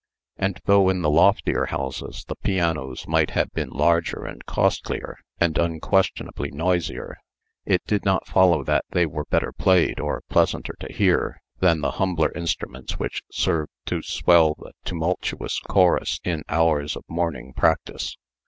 And, though in the loftier houses the pianos might have been larger and costlier, and unquestionably noisier, it did not follow that they were better played or pleasanter to hear than the humbler instruments which served to swell the tumultuous chorus in hours of morning practice.